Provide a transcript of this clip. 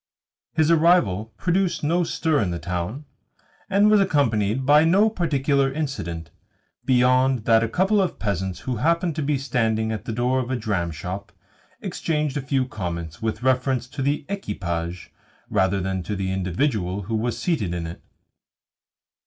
His arrival produced no stir in the town, and was accompanied by no particular incident, beyond that a couple of peasants who happened to be standing at the door of a dramshop exchanged a few comments with reference to the equipage rather than to the individual who was seated in it.